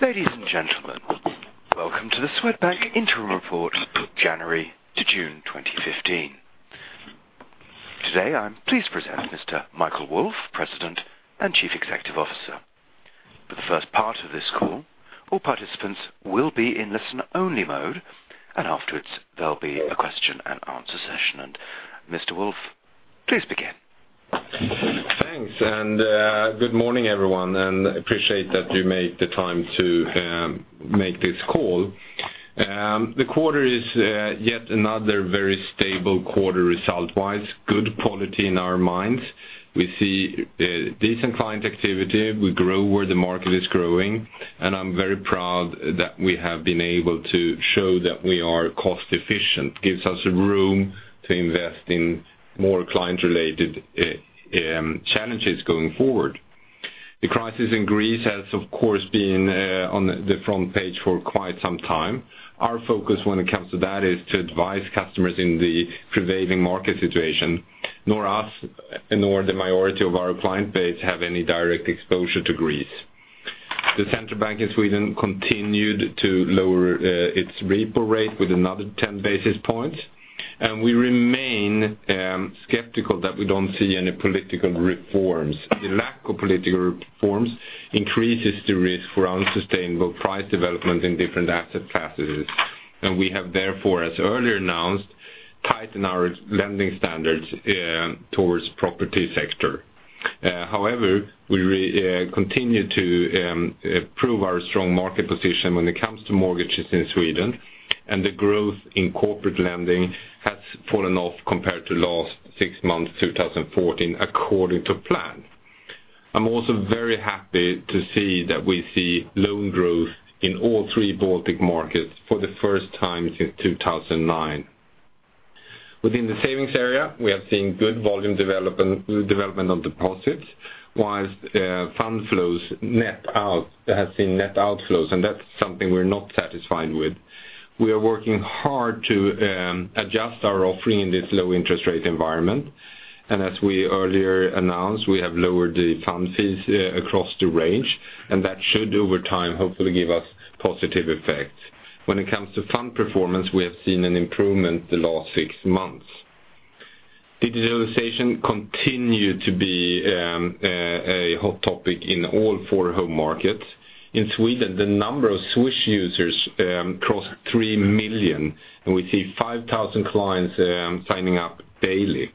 Ladies and gentlemen, welcome to the Swedbank Interim Report, January to June 2015. Today, I'm pleased to present Mr. Michael Wolf, President and Chief Executive Officer. For the first part of this call, all participants will be in listen-only mode, and afterwards, there'll be a question and answer session. Mr. Wolf, please begin. Thanks, and good morning, everyone, and appreciate that you made the time to make this call. The quarter is yet another very stable quarter result-wise, good quality in our minds. We see decent client activity. We grow where the market is growing, and I'm very proud that we have been able to show that we are cost efficient, gives us room to invest in more client-related challenges going forward. The crisis in Greece has, of course, been on the front page for quite some time. Our focus when it comes to that is to advise customers in the prevailing market situation, nor us, nor the majority of our client base have any direct exposure to Greece. The Central Bank in Sweden continued to lower its repo rate with another ten basis points, and we remain skeptical that we don't see any political reforms. The lack of political reforms increases the risk for unsustainable price development in different asset classes. We have therefore, as earlier announced, tightened our lending standards towards property sector. However, we continue to improve our strong market position when it comes to mortgages in Sweden, and the growth in corporate lending has fallen off compared to last six months, 2014, according to plan. I'm also very happy to see that we see loan growth in all three Baltic markets for the first time since 2009. Within the savings area, we have seen good volume development, development of deposits, while fund flows net out has seen net outflows, and that's something we're not satisfied with. We are working hard to adjust our offering in this low interest rate environment. As we earlier announced, we have lowered the fund fees across the range, and that should, over time, hopefully give us positive effects. When it comes to fund performance, we have seen an improvement the last six months. Digitalization continues to be a hot topic in all four home markets. In Sweden, the number of Swish users crossed 3 million, and we see 5,000 clients signing up daily.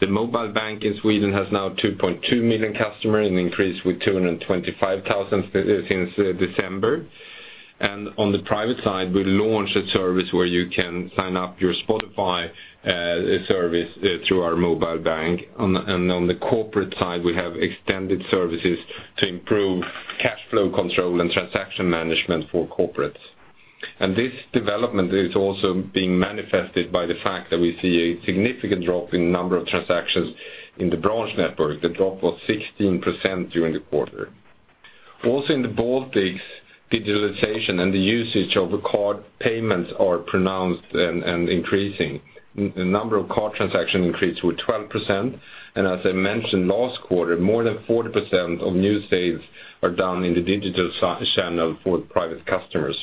The mobile bank in Sweden has now 2.2 million customers, an increase with 225,000 since December. On the private side, we launched a service where you can sign up your Spotify service through our mobile bank. On the corporate side, we have extended services to improve cash flow control and transaction management for corporates. And this development is also being manifested by the fact that we see a significant drop in the number of transactions in the branch network. The drop was 16% during the quarter. Also, in the Baltics, digitalization and the usage of card payments are pronounced and increasing. The number of card transactions increased with 12%, and as I mentioned last quarter, more than 40% of new saves are done in the digital channel for private customers.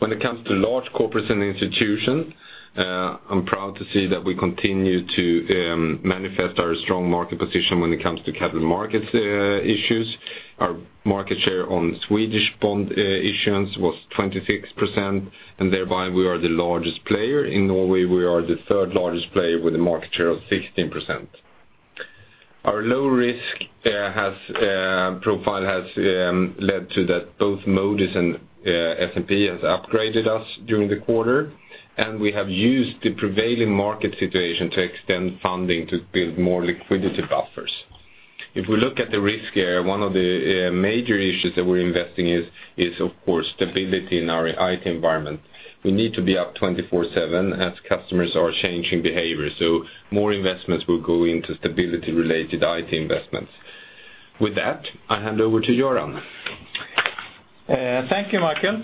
When it comes to Large Corporates and Institutions, I'm proud to see that we continue to manifest our strong market position when it comes to capital markets issues. Our market share on Swedish bond issuance was 26%, and thereby, we are the largest player. In Norway, we are the third largest player with a market share of 16%. Our low risk profile has led to that both Moody's and S&P has upgraded us during the quarter, and we have used the prevailing market situation to extend funding to build more liquidity buffers. If we look at the risk here, one of the major issues that we're investing is, of course, stability in our IT environment. We need to be up 24/7 as customers are changing behaviors, so more investments will go into stability-related IT investments. With that, I hand over to Göran. Thank you, Michael.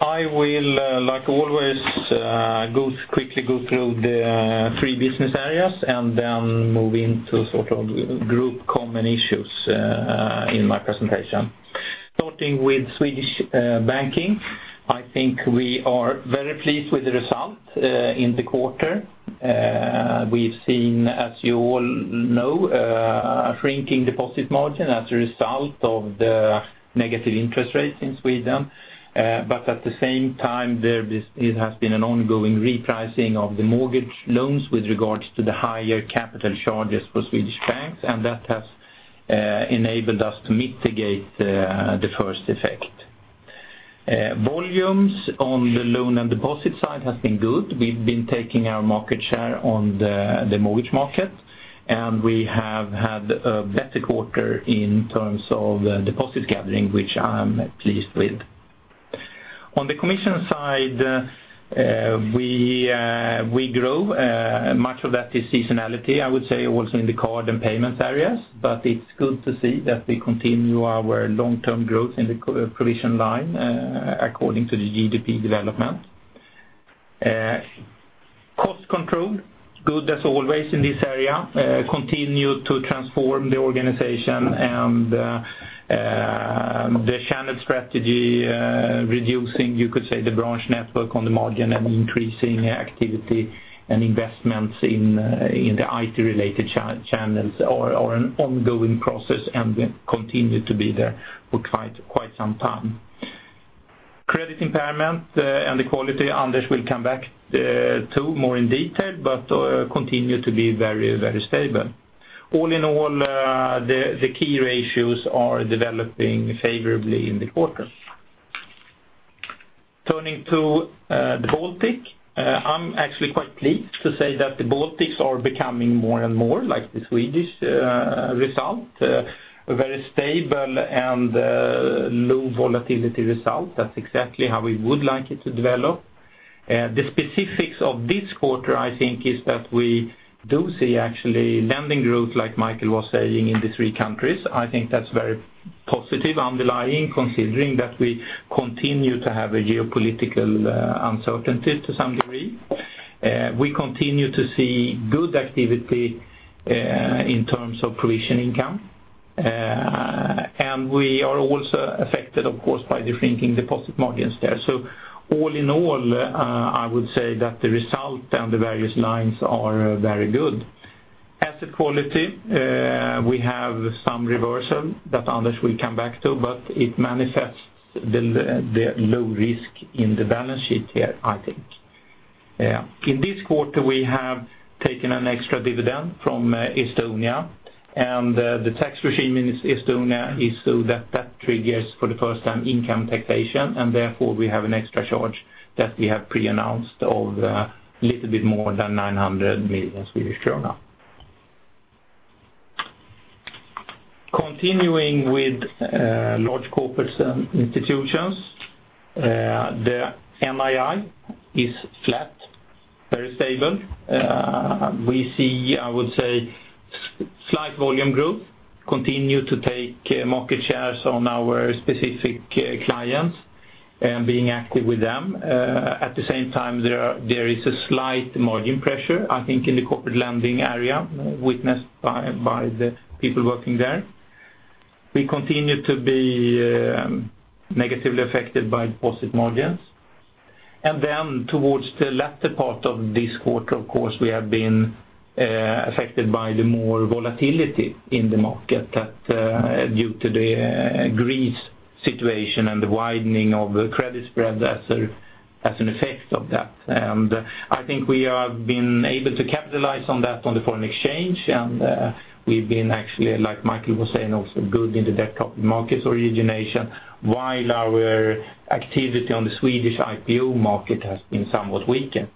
I will, like always, go quickly through the three business areas and then move into sort of group common issues in my presentation. Starting with Swedish Banking, I think we are very pleased with the result in the quarter. We've seen, as you all know, a shrinking deposit margin as a result of the negative interest rates in Sweden. But at the same time, there has been an ongoing repricing of the mortgage loans with regards to the higher capital charges for Swedish banks, and that has enabled us to mitigate the first effect. Volumes on the loan and deposit side has been good. We've been taking our market share on the mortgage market, and we have had a better quarter in terms of deposit gathering, which I am pleased with. On the commission side, we grow, much of that is seasonality, I would say, also in the card and payment areas, but it's good to see that we continue our long-term growth in the commission line, according to the GDP development. Cost control, good as always in this area, continue to transform the organization and the channel strategy, reducing, you could say, the branch network on the margin and increasing activity and investments in the IT-related channels are an ongoing process and will continue to be there for quite some time. Credit impairment and the quality, Anders will come back to more in detail, but continue to be very stable. All in all, the key ratios are developing favorably in the quarter. Turning to the Baltics, I'm actually quite pleased to say that the Baltics are becoming more and more like the Swedish result. A very stable and low volatility result. That's exactly how we would like it to develop. The specifics of this quarter, I think, is that we do see actually lending growth, like Michael was saying, in the three countries. I think that's very positive underlying, considering that we continue to have a geopolitical uncertainty to some degree. We continue to see good activity in terms of provision income. And we are also affected, of course, by the shrinking deposit margins there. So all in all, I would say that the result and the various lines are very good. Asset quality, we have some reversal that Anders will come back to, but it manifests the low risk in the balance sheet here, I think. Yeah. In this quarter, we have taken an extra dividend from Estonia, and the tax regime in Estonia is so that that triggers, for the first time, income taxation, and therefore we have an extra charge that we have pre-announced of a little bit more than 900 million Swedish krona. Continuing with Large Corporates and Institutions, the NII is flat, very stable. We see, I would say, slight volume growth, continue to take market shares on our specific clients and being active with them. At the same time, there is a slight margin pressure, I think, in the corporate lending area, witnessed by the people working there. We continue to be negatively affected by deposit margins. And then towards the latter part of this quarter, of course, we have been affected by the more volatility in the market that due to the Greece situation and the widening of the credit spread as a, as an effect of that. And I think we have been able to capitalize on that on the foreign exchange, and we've been actually, like Michael was saying, also good in the debt capital markets origination, while our activity on the Swedish IPO market has been somewhat weakened.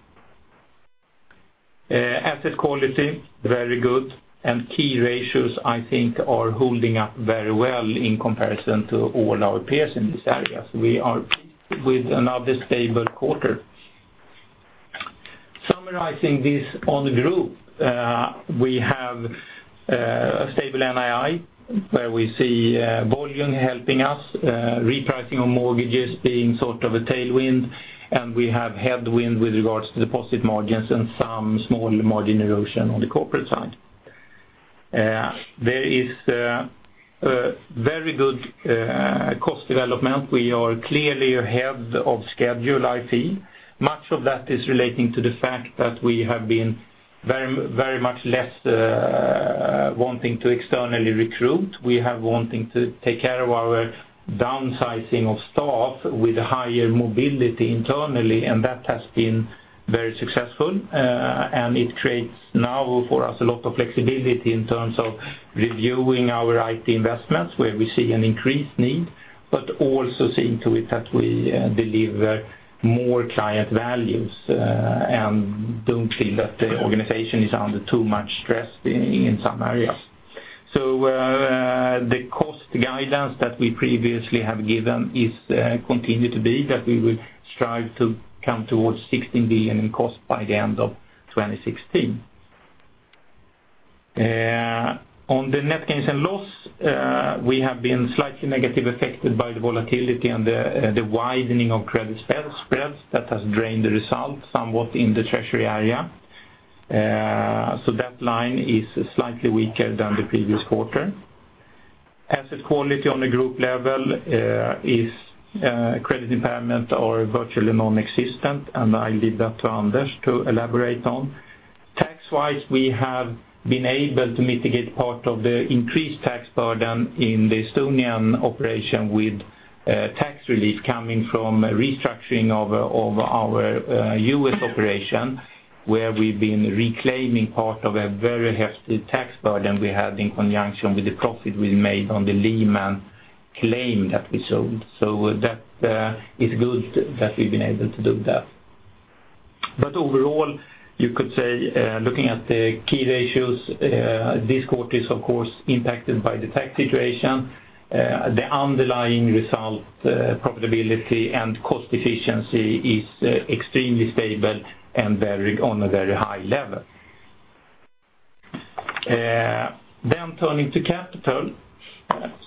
Asset quality, very good, and key ratios, I think, are holding up very well in comparison to all our peers in this area. So we are pleased with another stable quarter. Summarizing this on the group, we have a stable NII, where we see volume helping us, repricing of mortgages being sort of a tailwind, and we have headwind with regards to deposit margins and some small margin erosion on the corporate side. There is a very good cost development. We are clearly ahead of schedule IT. Much of that is relating to the fact that we have been very, very much less wanting to externally recruit. We have wanting to take care of our downsizing of staff with higher mobility internally, and that has been very successful. And it creates now for us a lot of flexibility in terms of reviewing our IT investments, where we see an increased need, but also seeing to it that we deliver more client values and don't feel that the organization is under too much stress in some areas. So, the cost guidance that we previously have given is to continue to be that we will strive to come towards 16 billion in costs by the end of 2016. On the net gains and losses, we have been slightly negatively affected by the volatility and the widening of credit spreads that has drained the result somewhat in the treasury area. So that line is slightly weaker than the previous quarter. Asset quality on the group level is credit impairment are virtually non-existent, and I leave that to Anders to elaborate on. Tax-wise, we have been able to mitigate part of the increased tax burden in the Estonian operation with tax relief coming from restructuring of our US operation, where we've been reclaiming part of a very hefty tax burden we had in conjunction with the profit we made on the Lehman claim that we sold. So that is good that we've been able to do that. But overall, you could say, looking at the key ratios, this quarter is of course impacted by the tax situation. The underlying result, profitability and cost efficiency is extremely stable and very, on a very high level. Then turning to capital,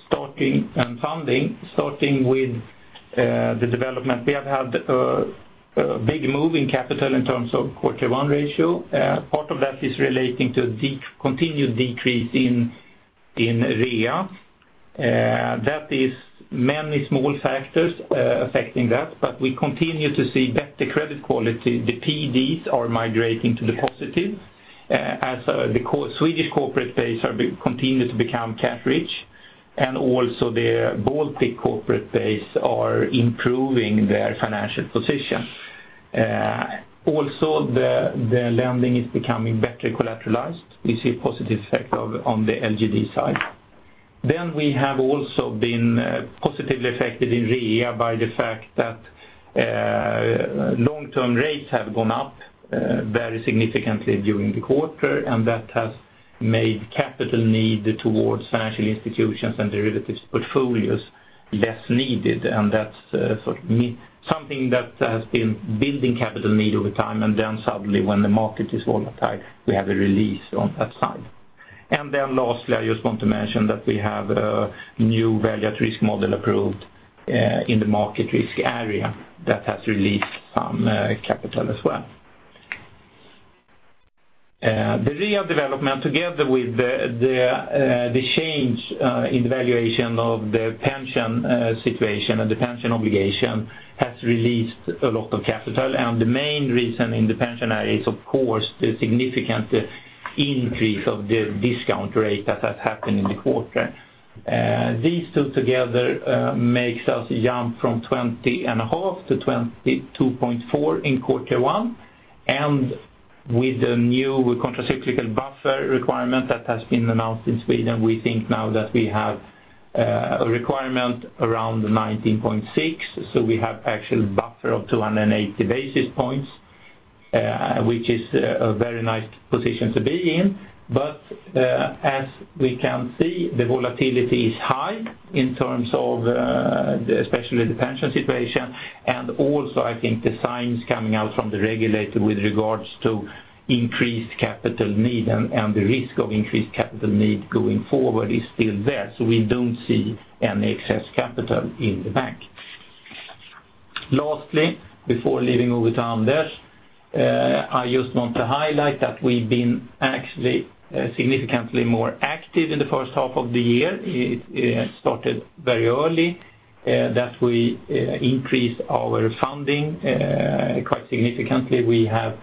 starting and funding, starting with the development. We have had a big move in capital in terms of quarter one ratio. Part of that is relating to the continued decrease in REA. That is many small factors affecting that, but we continue to see better credit quality. The PDs are migrating to the positive, as the Swedish corporate base are continue to become cash rich, and also the Baltic corporate base are improving their financial position. Also, the lending is becoming better collateralized. We see a positive effect of, on the LGD side. Then we have also been positively affected in RWA by the fact that long-term rates have gone up very significantly during the quarter, and that has made capital need towards financial institutions and derivatives portfolios less needed, and that's sort of something that has been building capital need over time, and then suddenly, when the market is volatile, we have a release on that side. And then lastly, I just want to mention that we have a new Value at Risk model approved in the market risk area that has released some capital as well. The RWA development, together with the change in the valuation of the pension situation and the pension obligation, has released a lot of capital. The main reason in the pension area is, of course, the significant increase of the discount rate that has happened in the quarter. These two together make us jump from 20.5 to 22.4 in Q1. With the new countercyclical buffer requirement that has been announced in Sweden, we think now that we have a requirement around 19.6. We have actual buffer of 280 basis points, which is a very nice position to be in. As we can see, the volatility is high in terms of especially the pension situation, and also, I think the signs coming out from the regulator with regards to increased capital need and the risk of increased capital need going forward is still there, so we don't see any excess capital in the bank. Lastly, before leaving over to Anders, I just want to highlight that we've been actually significantly more active in the first half of the year. It started very early that we increased our funding quite significantly. We have,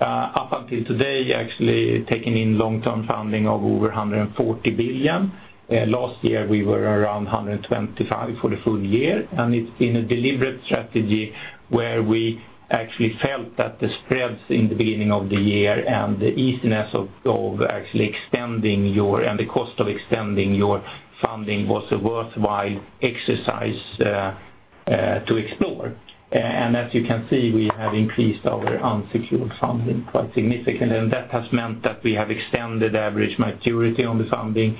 up until today, actually taken in long-term funding of over 140 billion. Last year, we were around 125 billion for the full year, and it's been a deliberate strategy where we actually felt that the spreads in the beginning of the year and the easiness of actually extending your-- and the cost of extending your funding was a worthwhile exercise to explore. And as you can see, we have increased our unsecured funding quite significantly, and that has meant that we have extended average maturity on the funding.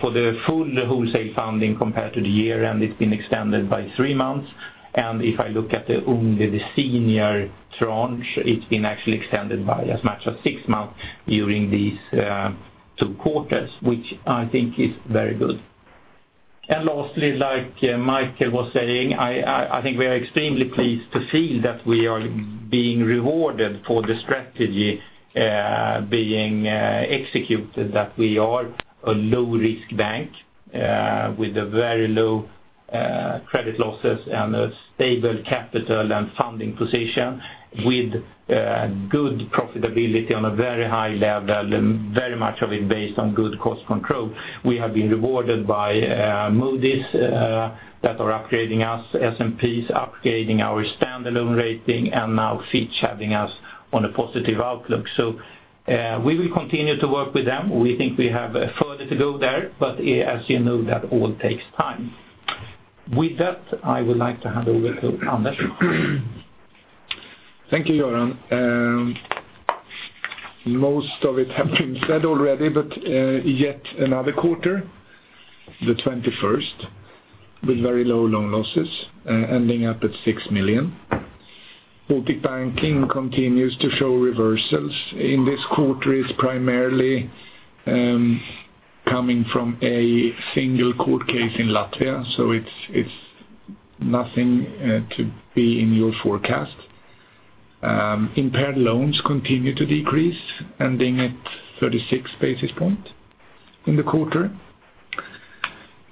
For the full wholesale funding compared to the year, and it's been extended by 3 months. And if I look at only the senior tranche, it's been actually extended by as much as 6 months during these 2 quarters, which I think is very good. And lastly, like Michael was saying, I think we are extremely pleased to feel that we are being rewarded for the strategy being executed, that we are a low-risk bank with a very low credit losses and a stable capital and funding position, with good profitability on a very high level, and very much of it based on good cost control. We have been rewarded by Moody's that are upgrading us, S&P's upgrading our standalone rating, and now Fitch having us on a positive outlook. So, we will continue to work with them. We think we have further to go there, but as you know, that all takes time. With that, I would like to hand over to Anders. Thank you, Göran. Most of it have been said already, but yet another quarter, the 21st, with very low loan losses ending up at 6 million. Baltic Banking continues to show reversals. In this quarter, it's primarily coming from a single court case in Latvia, so it's nothing to be in your forecast. Impaired loans continue to decrease, ending at 36 basis points in the quarter.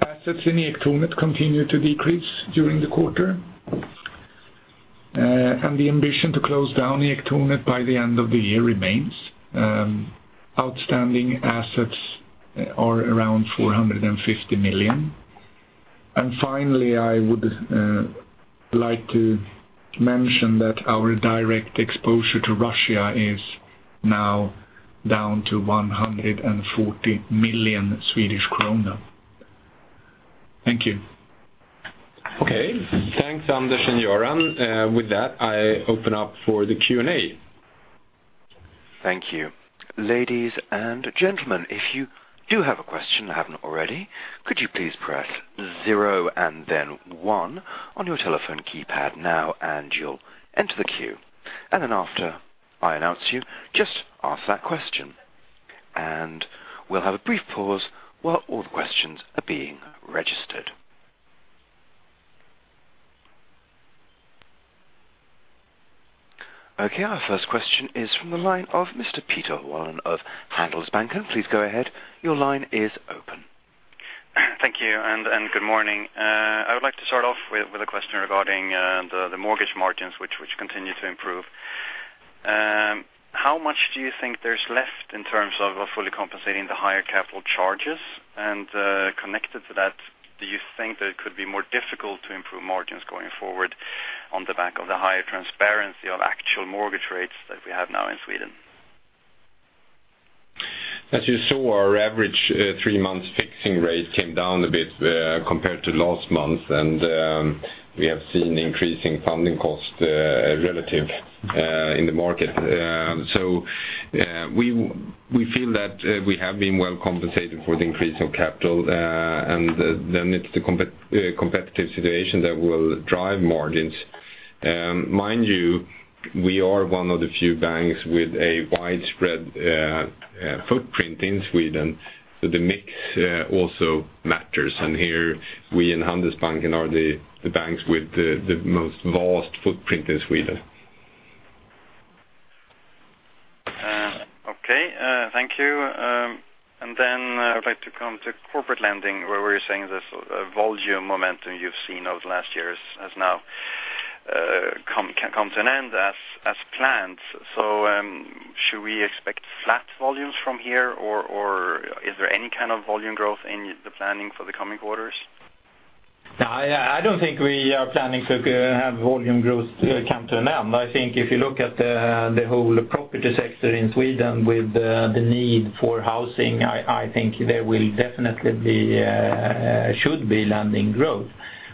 Assets in Ektornet continue to decrease during the quarter, and the ambition to close down Ektornet by the end of the year remains. Outstanding assets are around 450 million. And finally, I would like to mention that our direct exposure to Russia is now down to 140 million Swedish krona. Thank you. Okay. Thanks, Anders and Göran. With that, I open up for the Q&A. Thank you. Ladies and gentlemen, if you do have a question and haven't already, could you please press zero and then one on your telephone keypad now, and you'll enter the queue. And then after I announce you, just ask that question. And we'll have a brief pause while all the questions are being registered.... Okay, our first question is from the line of Mr. Peter Wallin of Handelsbanken. Please go ahead. Your line is open. Thank you, and good morning. I would like to start off with a question regarding the mortgage margins, which continue to improve. How much do you think there's left in terms of fully compensating the higher capital charges? And connected to that, do you think that it could be more difficult to improve margins going forward on the back of the higher transparency of actual mortgage rates that we have now in Sweden? As you saw, our average three-month fixing rate came down a bit compared to last month, and we have seen increasing funding costs relative in the market. So we feel that we have been well compensated for the increase of capital, and then it's the competitive situation that will drive margins. Mind you, we are one of the few banks with a widespread footprint in Sweden, so the mix also matters. And here, we and Handelsbanken are the banks with the most vast footprint in Sweden. Okay, thank you. And then I'd like to come to corporate lending, where we're saying this volume momentum you've seen over the last years has now come to an end as planned. So, should we expect flat volumes from here, or is there any kind of volume growth in the planning for the coming quarters? No, I don't think we are planning to have volume growth come to an end. I think if you look at the whole property sector in Sweden with the need for housing, I think there will definitely should be lending growth.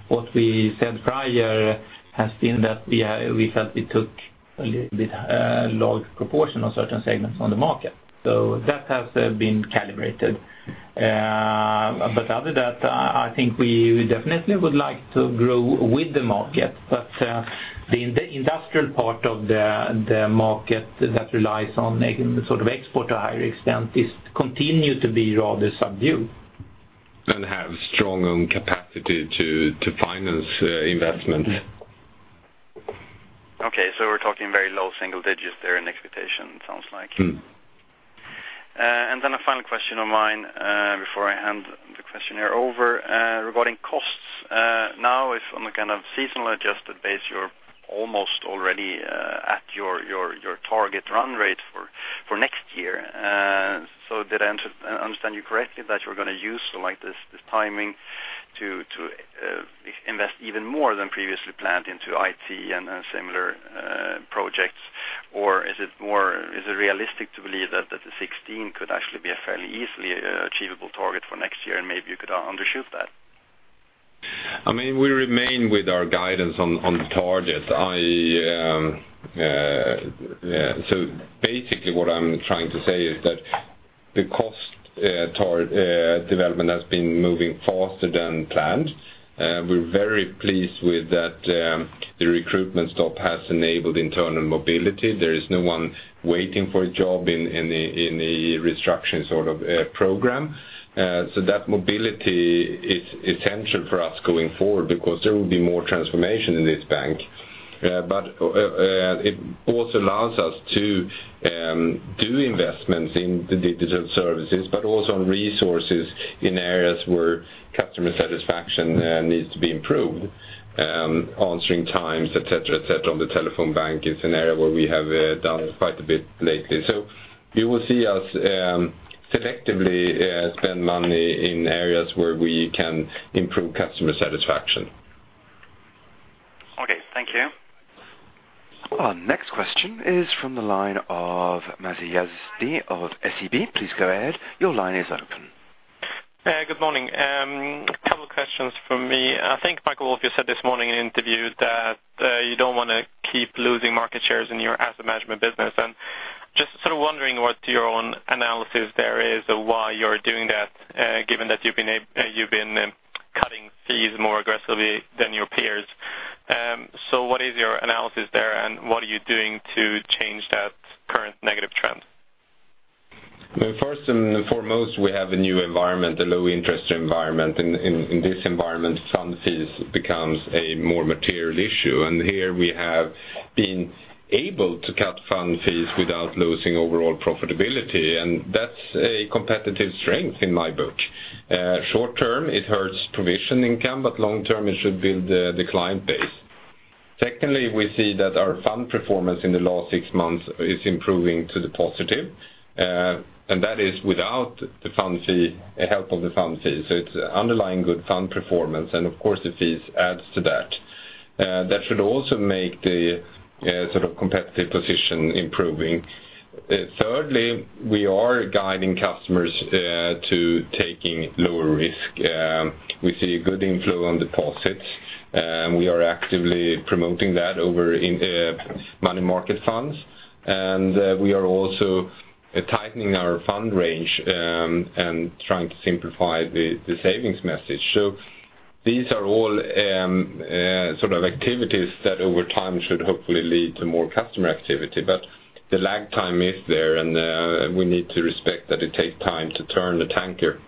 What we said prior has been that we felt it took a little bit large proportion of certain segments on the market. So that has been calibrated. But other than that, I think we definitely would like to grow with the market, but the industrial part of the market that relies on making sort of export to a higher extent is continue to be rather subdued. And have strong own capacity to finance investment. Okay, so we're talking very low single digits there in expectation, it sounds like. Mm-hmm. Then a final question of mine, before I hand the questionnaire over, regarding costs. Now, if on a kind of seasonal adjusted base, you're almost already at your target run rate for year. So did I understand you correctly, that you're gonna use, so like, this timing to invest even more than previously planned into IT and similar projects? Or is it more, is it realistic to believe that the 16 could actually be a fairly easily achievable target for next year, and maybe you could undershoot that? I mean, we remain with our guidance on the target. So basically, what I'm trying to say is that the cost development has been moving faster than planned. We're very pleased with that, the recruitment stop has enabled internal mobility. There is no one waiting for a job in the restructuring sort of program. So that mobility is essential for us going forward because there will be more transformation in this bank. But it also allows us to do investments in the digital services, but also on resources in areas where customer satisfaction needs to be improved. Answering times, et cetera, et cetera, on the telephone bank is an area where we have done quite a bit lately. You will see us, selectively, spend money in areas where we can improve customer satisfaction. Okay, thank you. Our next question is from the line of Masih Yazdi of SEB. Please go ahead. Your line is open. Good morning. A couple of questions from me. I think, Michael, you said this morning in an interview that you don't wanna keep losing market shares in your asset management business. And just sort of wondering what your own analysis there is, or why you're doing that, given that you've been cutting fees more aggressively than your peers. So what is your analysis there, and what are you doing to change that current negative trend? Well, first and foremost, we have a new environment, a low interest environment. In this environment, fund fees becomes a more material issue, and here we have been able to cut fund fees without losing overall profitability, and that's a competitive strength in my book. Short term, it hurts provision income, but long term, it should build the client base. Secondly, we see that our fund performance in the last six months is improving to the positive, and that is without the fund fee help of the fund fee. So it's underlying good fund performance, and of course, the fees adds to that. That should also make the sort of competitive position improving. Thirdly, we are guiding customers to taking lower risk. We see a good inflow on deposits. We are actively promoting that over in money market funds. We are also tightening our fund range and trying to simplify the savings message. So these are all sort of activities that over time should hopefully lead to more customer activity. But the lag time is there, and we need to respect that it takes time to turn the tanker. ...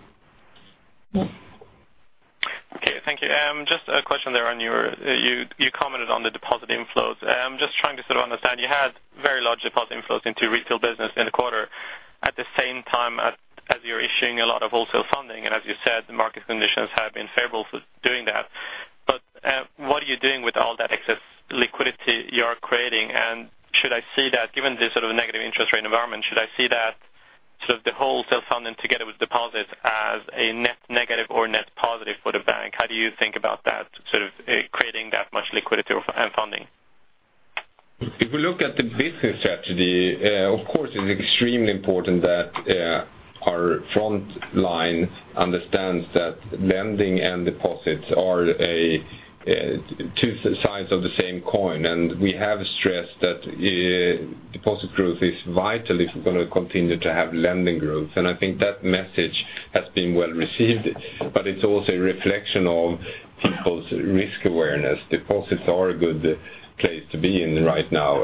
Thank you. Just a question there on your, you commented on the deposit inflows. I'm just trying to sort of understand, you had very large deposit inflows into retail business in the quarter, at the same time as you're issuing a lot of wholesale funding, and as you said, the market conditions have been favorable for doing that. But what are you doing with all that excess liquidity you are creating? And should I see that, given this sort of negative interest rate environment, should I see that sort of the wholesale funding together with deposits as a net negative or net positive for the bank? How do you think about that, sort of creating that much liquidity or, and funding? If we look at the business strategy, of course, it's extremely important that our front line understands that lending and deposits are two sides of the same coin, and we have stressed that deposit growth is vital if we're gonna continue to have lending growth. And I think that message has been well received, but it's also a reflection of people's risk awareness. Deposits are a good place to be in right now,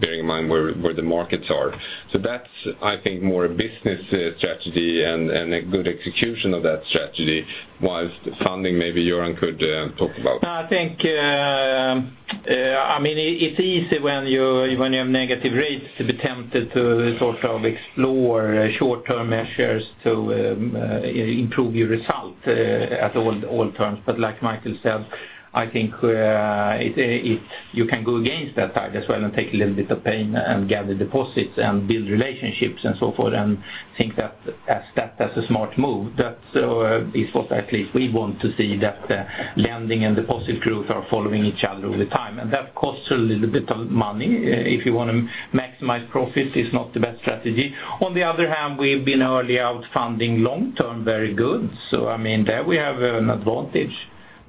bearing in mind where the markets are. So that's, I think, more a business strategy and a good execution of that strategy, whilst funding, maybe Göran could talk about. No, I think, I mean, it's easy when you have negative rates to be tempted to sort of explore short-term measures to improve your result at all terms. But like Michael said, I think you can go against that tide as well, and take a little bit of pain and gather deposits and build relationships and so forth, and think that as a smart move. That is what at least we want to see, that lending and deposit growth are following each other all the time. And that costs a little bit of money. If you want to maximize profits, it's not the best strategy. On the other hand, we've been early out funding long-term, very good. So, I mean, there we have an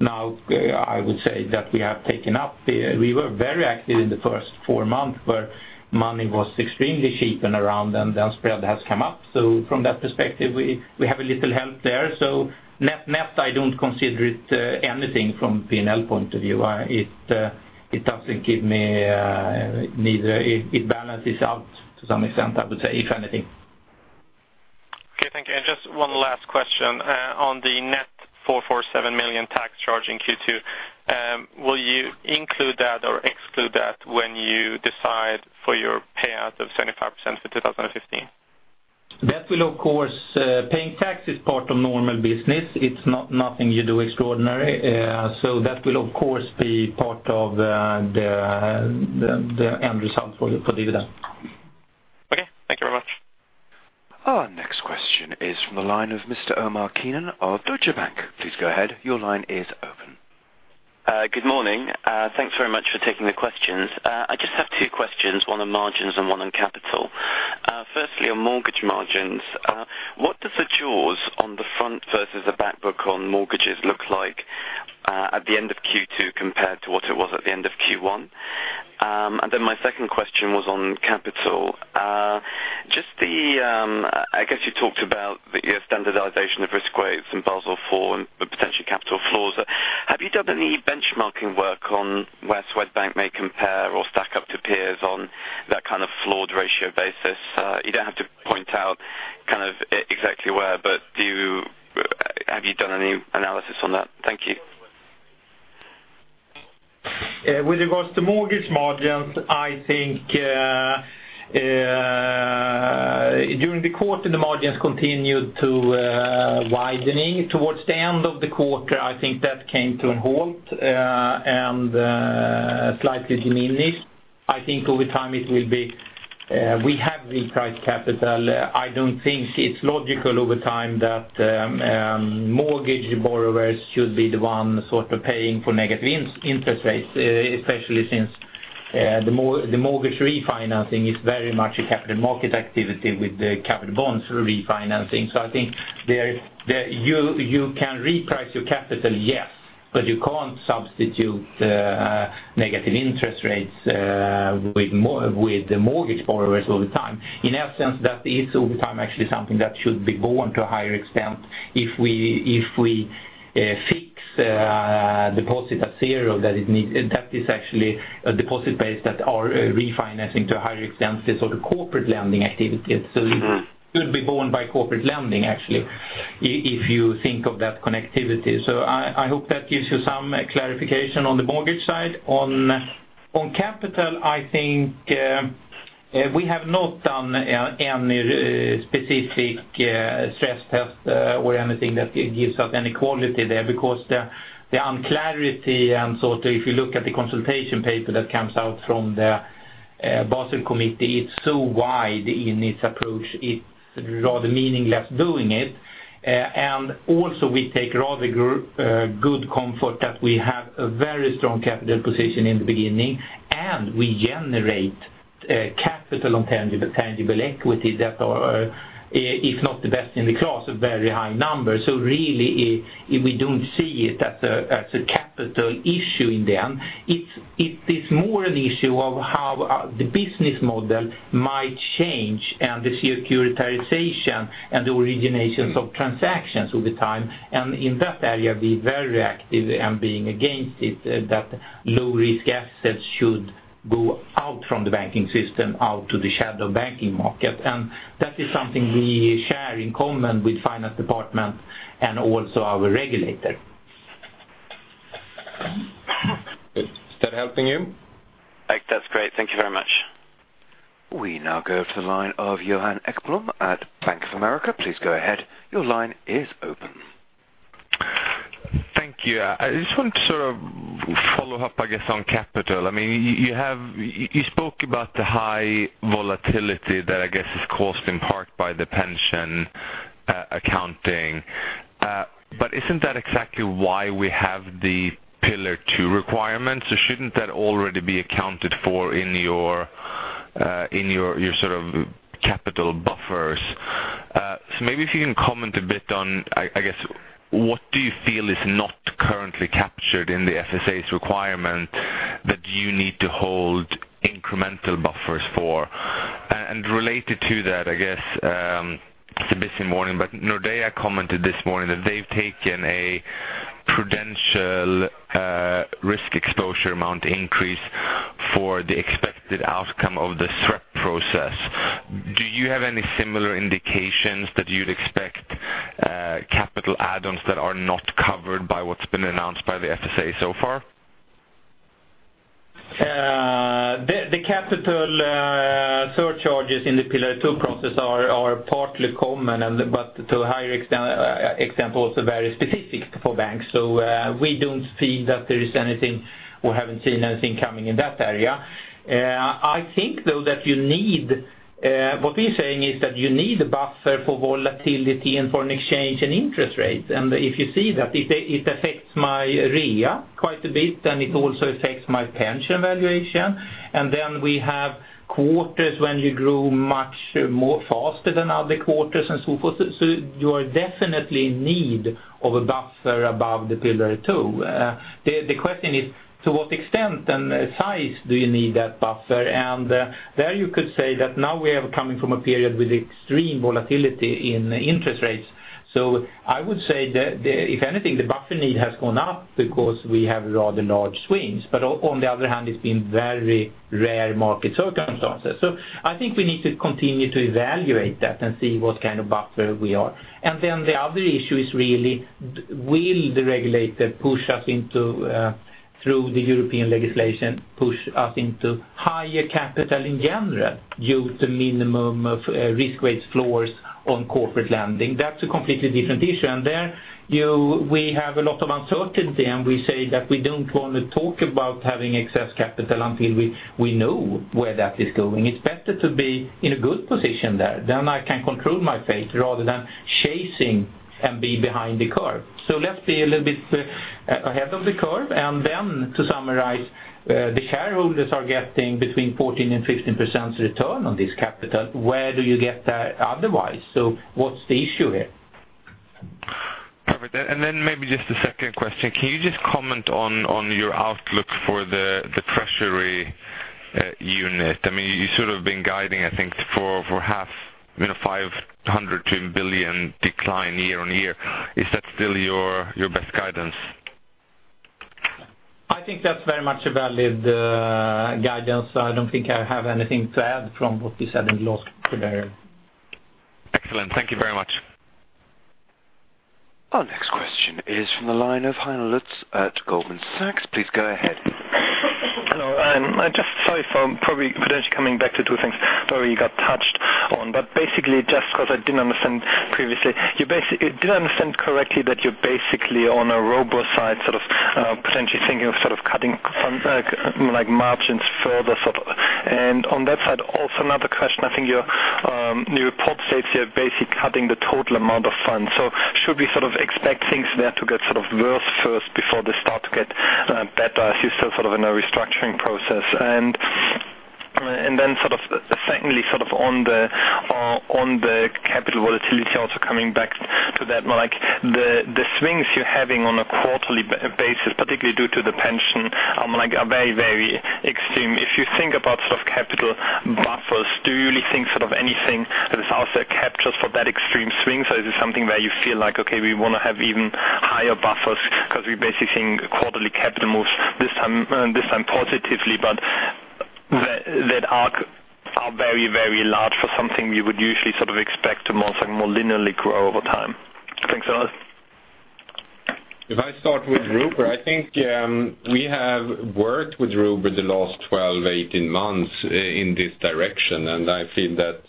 advantage. Now, I would say that we have taken up... We were very active in the first four months, where money was extremely cheap and around, and the spread has come up. So from that perspective, we, we have a little help there. So net-net, I don't consider it, anything from PNL point of view. It, it doesn't give me, neither it, it balances out to some extent, I would say, if anything. Okay, thank you. Just one last question on the net 447 million tax charge in Q2. Will you include that or exclude that when you decide for your payout of 75% for 2015? That will, of course, paying tax is part of normal business. It's not nothing you do extraordinary. So that will, of course, be part of the end result for dividend. Okay, thank you very much. Our next question is from the line of Mr. Omar Keenan of Deutsche Bank. Please go ahead. Your line is open. Good morning. Thanks very much for taking the questions. I just have two questions, one on margins and one on capital. Firstly, on mortgage margins, what does the jaws on the front versus the back book on mortgages look like at the end of Q2 compared to what it was at the end of Q1? And then my second question was on capital. Just the, I guess you talked about the standardization of risk weights in Basel IV and the potential capital floors. Have you done any benchmarking work on where Swedbank may compare or stack up to peers on that kind of floor ratio basis? You don't have to point out kind of exactly where, but do you, have you done any analysis on that? Thank you. With regards to mortgage margins, I think, during the quarter, the margins continued to widening. Towards the end of the quarter, I think that came to a halt, and slightly diminished. I think over time, it will be, we have repriced capital. I don't think it's logical over time that, mortgage borrowers should be the one sort of paying for negative interest rates, especially since, the mortgage refinancing is very much a capital market activity with the capital bonds refinancing. So I think there, you can reprice your capital, yes, but you can't substitute, negative interest rates, with the mortgage borrowers over time. In that sense, that is over time, actually, something that should be borne to a higher extent. If we fix deposit at zero, that is actually a deposit base that are refinancing to a higher extent the sort of corporate lending activities. So it should be borne by corporate lending, actually, if you think of that connectivity. So I hope that gives you some clarification on the mortgage side. On capital, I think we have not done any specific stress test or anything that gives us any quality there, because the unclarity, so if you look at the consultation paper that comes out from the Basel Committee, it's so wide in its approach, it's rather meaningless doing it. And also we take rather good comfort that we have a very strong capital position in the beginning, and we generate capital on tangible, tangible equity that are, if not the best in the class, a very high number. So really, we don't see it as a capital issue in the end. It is more an issue of how the business model might change and the securitization and the originations of transactions over time. And in that area, we're very active in being against it that low-risk assets should go out from the banking system, out to the shadow banking market. And that is something we share in common with finance department and also our regulator.... Is that helping you? That's great. Thank you very much. We now go to the line of Johan Ekblom at Bank of America. Please go ahead. Your line is open. Thank you. I just want to sort of follow up, I guess, on capital. I mean, you have-- you spoke about the high volatility that I guess is caused in part by the pension accounting. But isn't that exactly why we have the Pillar Two requirements? So shouldn't that already be accounted for in your, in your, your sort of capital buffers? So maybe if you can comment a bit on, I, I guess, what do you feel is not currently captured in the FSA's requirement that you need to hold incremental buffers for? And related to that, I guess, it's a busy morning, but Nordea commented this morning that they've taken a prudential risk exposure amount increase for the expected outcome of the SREP process. Do you have any similar indications that you'd expect, capital add-ons that are not covered by what's been announced by the FSA so far? The capital surcharges in the Pillar Two process are partly common, and to a higher extent, for example, also very specific for banks. We don't feel that there is anything or haven't seen anything coming in that area. I think, though, that what we're saying is that you need a buffer for volatility and for an exchange and interest rate. If you see that it affects my RWA quite a bit, then it also affects my pension valuation. We have quarters when you grow much more faster than other quarters and so forth. You are definitely in need of a buffer above the Pillar Two. The question is, to what extent and size do you need that buffer? And, there you could say that now we are coming from a period with extreme volatility in interest rates. So I would say that, if anything, the buffer need has gone up because we have rather large swings. But on the other hand, it's been very rare market circumstances. So I think we need to continue to evaluate that and see what kind of buffer we are. And then the other issue is really, will the regulator push us into, through the European legislation, push us into higher capital in general, due to minimum of, risk weight floors on corporate lending? That's a completely different issue. And there, you—we have a lot of uncertainty, and we say that we don't want to talk about having excess capital until we, we know where that is going. It's better to be in a good position there. Then I can control my fate rather than chasing and be behind the curve. So let's be a little bit, ahead of the curve. And then to summarize, the shareholders are getting between 14% and 15% return on this capital. Where do you get that otherwise? So what's the issue here? Perfect. Then maybe just a second question. Can you just comment on your outlook for the treasury unit? I mean, you should have been guiding, I think, for 500 million-1 billion decline year-over-year. Is that still your best guidance? I think that's very much a valid guidance. I don't think I have anything to add from what we said in the last quarter. Excellent. Thank you very much. Our next question is from the line of Heiner Luz at Goldman Sachs. Please go ahead. Hello, I just—sorry for probably potentially coming back to two things that already got touched on, but basically just because I didn't understand previously. Did I understand correctly that you're basically on a Robur side, sort of, potentially thinking of sort of cutting fund, like, margins further, sort of? Also, another question, I think your report states you're basically cutting the total amount of funds. Should we expect things there to get worse first before they start to get better as you're still in a restructuring process? Then, secondly, on the capital volatility, also coming back to that, the swings you're having on a quarterly basis, particularly due to the pension, like, are very, very extreme. If you think about sort of capital buffers, do you really think sort of anything that is also captured for that extreme swing? So is it something where you feel like, okay, we want to have even higher buffers because we're basically seeing quarterly capital moves, this time, this time positively, but that are very, very large for something we would usually sort of expect to more linearly grow over time? Thanks a lot. If I start with Robur, I think, we have worked with Robur the last 12-18 months in this direction, and I feel that,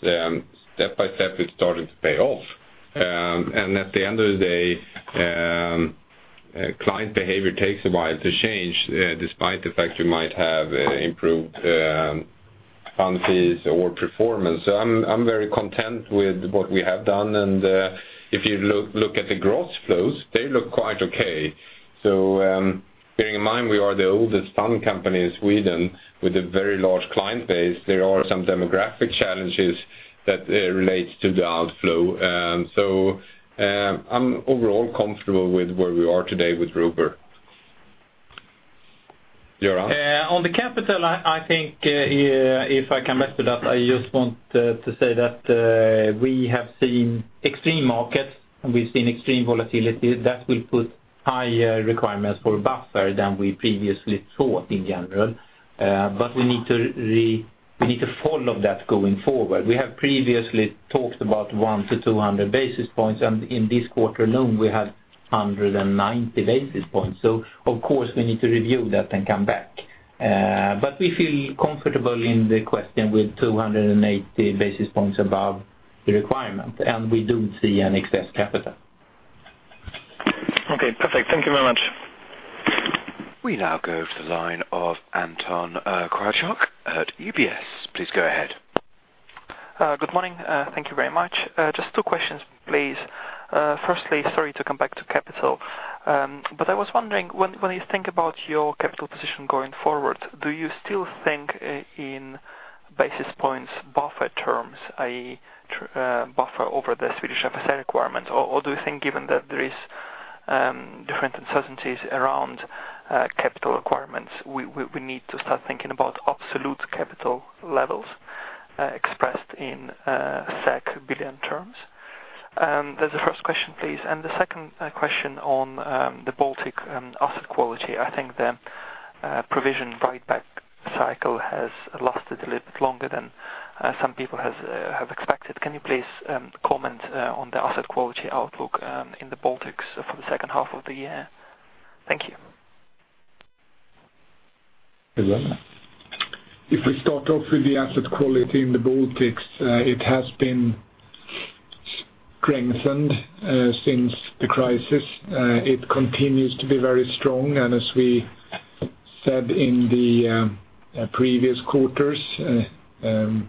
step by step, it's starting to pay off. And at the end of the day, client behavior takes a while to change, despite the fact you might have, improved, fund fees or performance. So I'm, I'm very content with what we have done, and, if you look at the gross flows, they look quite okay. So, bearing in mind, we are the oldest fund company in Sweden with a very large client base, there are some demographic challenges that relates to the outflow. So, I'm overall comfortable with where we are today with Robur. Göran? On the capital, I think, if I come back to that, I just want to say that we have seen extreme markets, and we've seen extreme volatility. That will put higher requirements for buffer than we previously thought in general. But we need to follow that going forward. We have previously talked about 100-200 basis points, and in this quarter alone, we had 190 basis points. So of course, we need to review that and come back. But we feel comfortable in the question with 280 basis points above the requirement, and we do see an excess capital.... Okay, perfect. Thank you very much. We now go to the line of Anton Kryachok at UBS. Please go ahead. Good morning. Thank you very much. Just two questions, please. Firstly, sorry to come back to capital. But I was wondering, when, when you think about your capital position going forward, do you still think I, in basis points buffer terms, i.e., buffer over the Swedish FSA requirement? Or, or do you think given that there is, different uncertainties around, capital requirements, we, we, we need to start thinking about absolute capital levels, expressed in, billion terms? That's the first question, please. And the second, question on, the Baltics, asset quality. I think the, provision buyback cycle has lasted a little bit longer than, some people has, have expected. Can you please, comment, on the asset quality outlook, in the Baltics for the second half of the year? Thank you. If we start off with the asset quality in the Baltics, it has been strengthened since the crisis. It continues to be very strong, and as we said in the previous quarters, the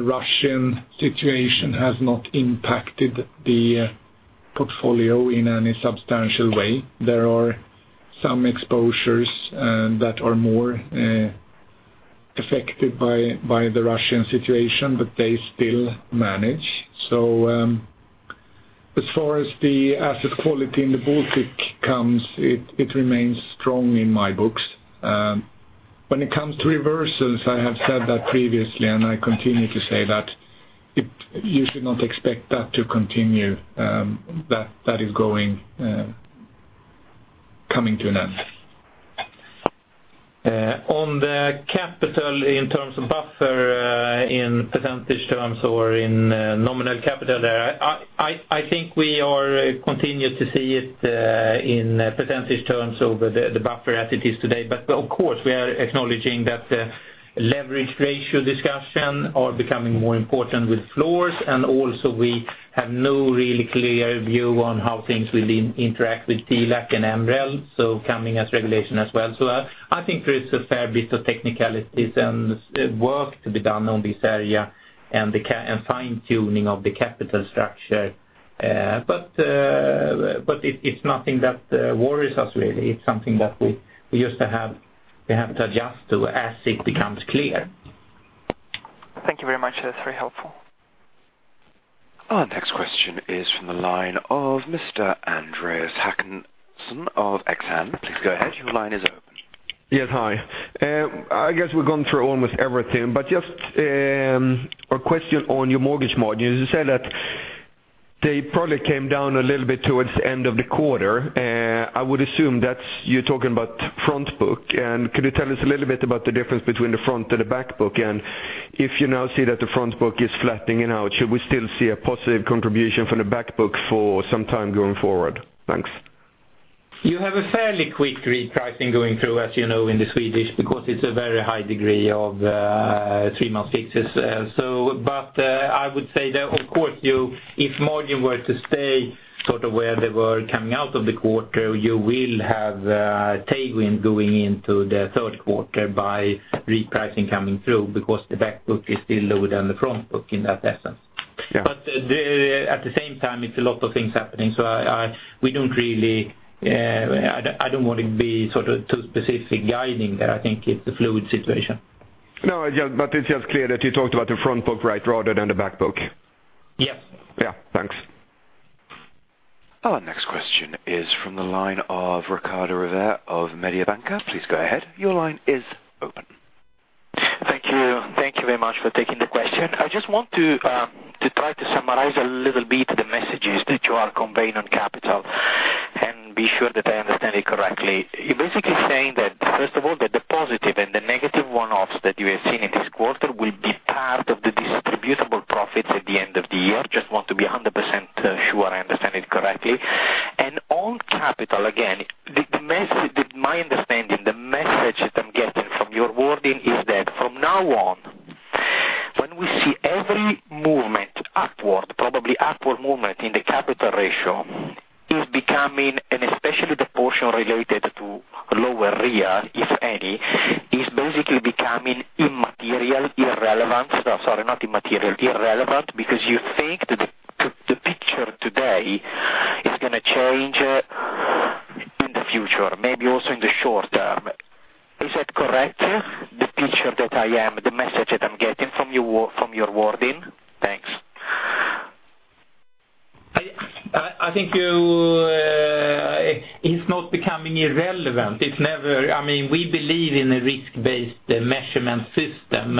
Russian situation has not impacted the portfolio in any substantial way. There are some exposures that are more affected by the Russian situation, but they still manage. So, as far as the asset quality in the Baltics comes, it remains strong in my books. When it comes to reversals, I have said that previously, and I continue to say that, you should not expect that to continue, that is going coming to an end. On the capital in terms of buffer, in percentage terms or in nominal capital there, I think we are continuing to see it in percentage terms over the buffer as it is today. But of course, we are acknowledging that the leverage ratio discussion are becoming more important with floors, and also we have no really clear view on how things will interact with TLAC and MREL, so coming as regulation as well. So I think there is a fair bit of technicalities and work to be done on this area and fine-tuning of the capital structure. But, but it, it's nothing that worries us really. It's something that we used to have, we have to adjust to as it becomes clear. Thank you very much. That's very helpful. Our next question is from the line of Mr. Andreas Håkansson of Exane. Please go ahead. Your line is open. Yes, hi. I guess we've gone through almost everything, but just a question on your mortgage margin. You say that they probably came down a little bit towards the end of the quarter. I would assume that's you talking about front book. And could you tell us a little bit about the difference between the front and the back book? And if you now see that the front book is flattening out, should we still see a positive contribution from the back book for some time going forward? Thanks. You have a fairly quick repricing going through, as you know, in the Swedish, because it's a very high degree of three-month fixes. So but, I would say that, of course, you, if margin were to stay sort of where they were coming out of the quarter, you will have a tailwind going into the third quarter by repricing coming through because the back book is still lower than the front book in that essence. Yeah. But at the same time, it's a lot of things happening, so we don't really... I don't want to be sort of too specific guiding there. I think it's a fluid situation. No, but it's just clear that you talked about the front book, right, rather than the back book. Yes. Yeah, thanks. Our next question is from the line of Riccardo Rovere of Mediobanca. Please go ahead. Your line is open. Thank you. Thank you very much for taking the question. I just want to, to try to summarize a little bit the messages that you are conveying on capital and be sure that I understand it correctly. You're basically saying that, first of all, that the positive and the negative one-offs that you have seen in this quarter will be part of the distributable profits at the end of the year. Just want to be 100% sure I understand it correctly. And on capital, again, the message, my understanding, the message that I'm getting from your wording is that from now on, when we see every movement upward, probably upward movement in the capital ratio, is becoming, and especially the portion related to lower RWA, if any, is basically becoming immaterial, irrelevant. Sorry, not immaterial, irrelevant, because you think that the picture today is gonna change in the future, maybe also in the short term. Is that correct? The picture that I am, the message that I'm getting from your wording? Thanks. I think it's not becoming irrelevant. It's never... I mean, we believe in a risk-based measurement system,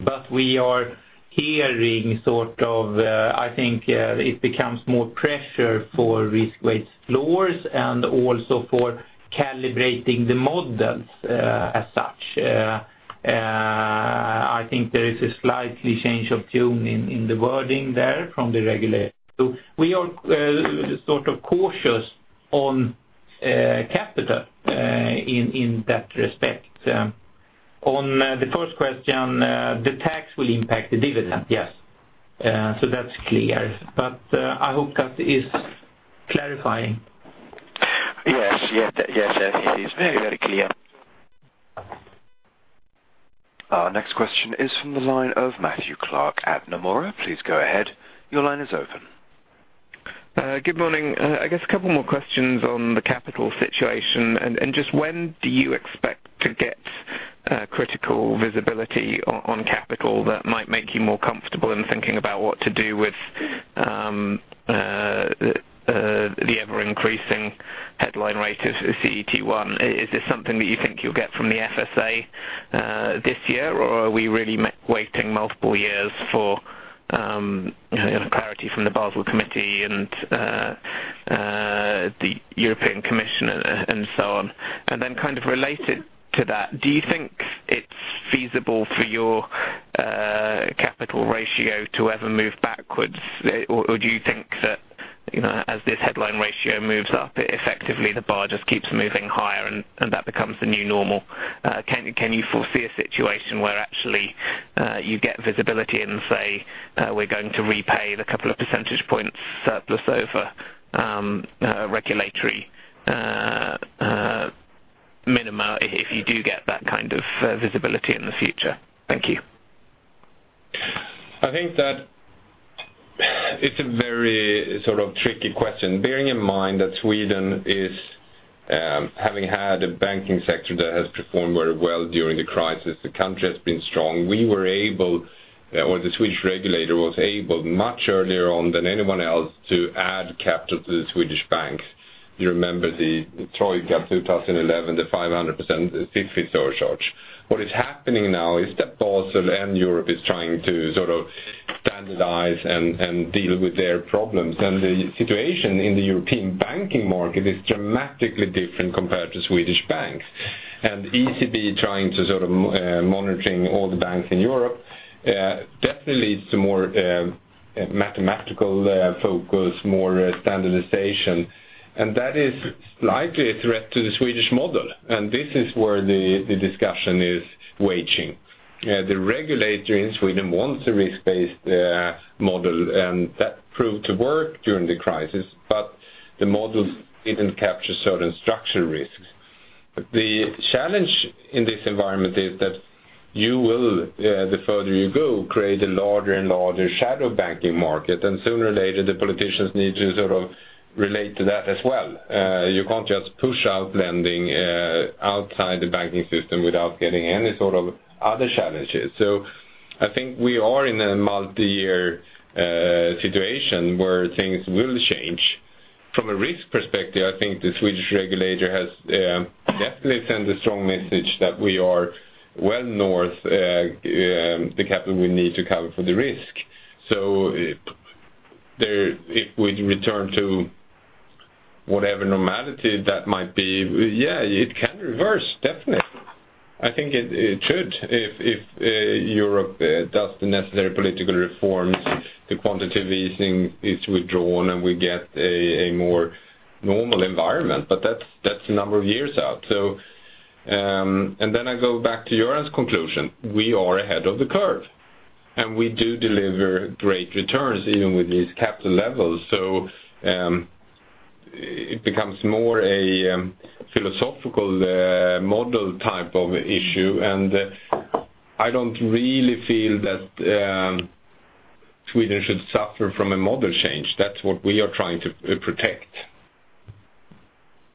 but we are hearing sort of, I think, it becomes more pressure for risk weight floors and also for calibrating the models, as such. I think there is a slight change of tune in the wording there from the regulator. So we are sort of cautious on capital in that respect. On the first question, the tax will impact the dividend, yes? So that's clear. But I hope that is clarifying. Yes. Yes, yes, it is very, very clear. Next question is from the line of Matthew Clark at Nomura. Please go ahead. Your line is open. Good morning. I guess a couple more questions on the capital situation, and just when do you expect to get critical visibility on capital that might make you more comfortable in thinking about what to do with the ever-increasing headline rate of CET1? Is this something that you think you'll get from the FSA this year, or are we really waiting multiple years for, you know, clarity from the Basel Committee and the European Commissioner and so on? And then kind of related to that, do you think it's feasible for your capital ratio to ever move backwards, or do you think that, you know, as this headline ratio moves up, effectively, the bar just keeps moving higher, and that becomes the new normal? Can you foresee a situation where actually you get visibility and say we're going to repay the couple of percentage points surplus over regulatory minima, if you do get that kind of visibility in the future? Thank you. I think that it's a very sort of tricky question. Bearing in mind that Sweden is having had a banking sector that has performed very well during the crisis, the country has been strong. We were able, or the Swedish regulator was able, much earlier on than anyone else, to add capital to the Swedish bank. You remember the Troika 2011, the 500%, the 50% surcharge. What is happening now is that Basel and Europe is trying to sort of standardize and deal with their problems. The situation in the European banking market is dramatically different compared to Swedish banks. ECB trying to sort of monitoring all the banks in Europe, definitely leads to more mathematical focus, more standardization, and that is slightly a threat to the Swedish model, and this is where the discussion is raging. The regulator in Sweden wants a risk-based model, and that proved to work during the crisis, but the model didn't capture certain structural risks. The challenge in this environment is that you will, the further you go, create a larger and larger shadow banking market, and sooner or later, the politicians need to sort of relate to that as well. You can't just push out lending outside the banking system without getting any sort of other challenges. So I think we are in a multi-year situation where things will change. From a risk perspective, I think the Swedish regulator has definitely sent a strong message that we are well north the capital we need to cover for the risk. If we return to whatever normality that might be, yeah, it can reverse, definitely. I think it should, if Europe does the necessary political reforms, the quantitative easing is withdrawn, and we get a more normal environment, but that's a number of years out. And then I go back to Göran's conclusion. We are ahead of the curve, and we do deliver great returns even with these capital levels. It becomes more a philosophical model type of issue, and I don't really feel that Sweden should suffer from a model change. That's what we are trying to protect.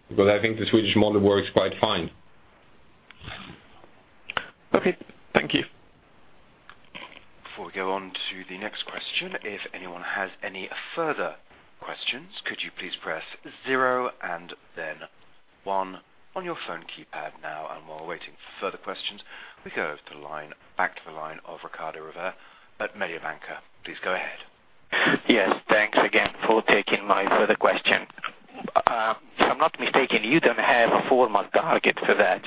Because I think the Swedish model works quite fine. Okay, thank you. Before we go on to the next question, if anyone has any further questions, could you please press zero and then one on your phone keypad now. While waiting for further questions, we go over to the line, back to the line of Riccardo Rovere at Mediobanca. Please go ahead. Yes, thanks again for taking my further question. If I'm not mistaken, you don't have a formal target for that,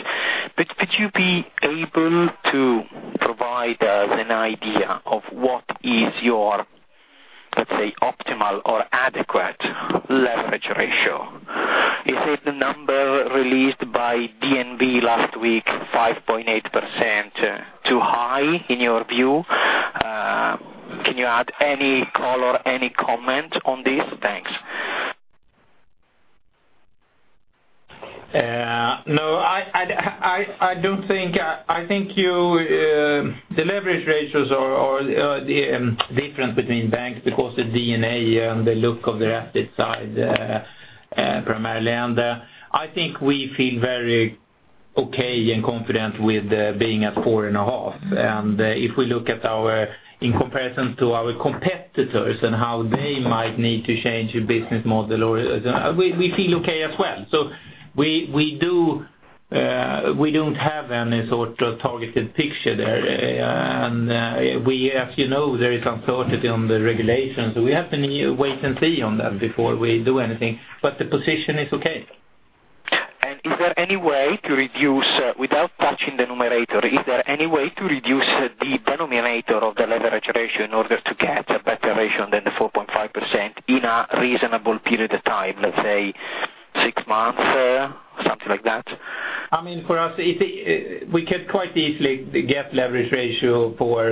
but could you be able to provide us an idea of what is your, let's say, optimal or adequate leverage ratio? Is it the number released by DNB last week, 5.8%, too high in your view? Can you add any color, any comment on this? Thanks. No, I don't think. I think you the leverage ratios are the difference between banks because the DNA and the look of the asset side, primarily. And I think we feel very okay and confident with being at 4.5. And if we look at our in comparison to our competitors and how they might need to change the business model or... we feel okay as well. So we don't have any sort of targeted picture there. And as you know, there is uncertainty on the regulations, so we have to wait and see on that before we do anything, but the position is okay. Is there any way to reduce, without touching the numerator, is there any way to reduce the denominator of the leverage ratio in order to get a better ratio than the 4.5% in a reasonable period of time, let's say, six months, something like that? I mean, for us, it, we could quite easily get leverage ratio for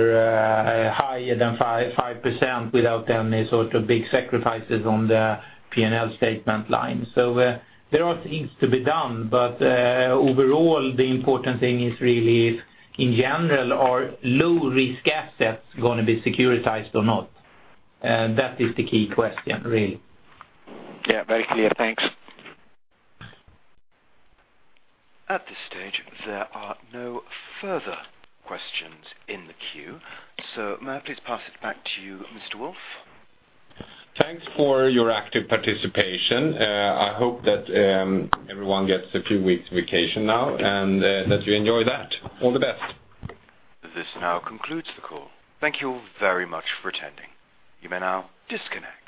higher than 5.5% without any sort of big sacrifices on the P&L statement line. So, there are things to be done, but, overall, the important thing is really if, in general, are low-risk assets gonna be securitized or not? That is the key question, really. Yeah, very clear. Thanks. At this stage, there are no further questions in the queue. So may I please pass it back to you, Mr. Wolf? Thanks for your active participation. I hope that everyone gets a few weeks vacation now, and that you enjoy that. All the best. This now concludes the call. Thank you very much for attending. You may now disconnect.